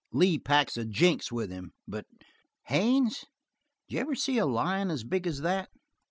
Lee packs a jinx with him. But Haines, did you ever see a lion as big as that?"